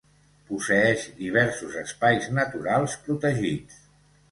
Posseeix diversos espais naturals protegits.